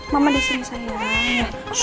mama disini sayang